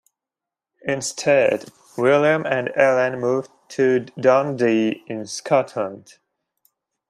Instead, William and Ellen moved to Dundee in Scotland.